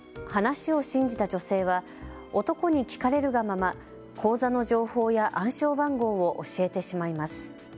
話を信じた女性は男に聞かれるがまま口座の情報や暗証番号を教えてしまいます。